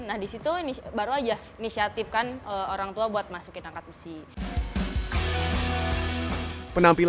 nah disitu ini baru aja inisiatifkan orang tua buat masukin angkat besi